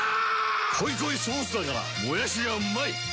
濃い濃いソースだからもやしがうまい‼